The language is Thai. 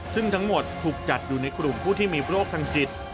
ซึ่งทั้งหมดถูกจัดอยู่ในกลุ่มผู้ที่มีโรคทางจิต